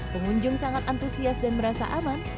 pengunjung sangat antusias dan merasa aman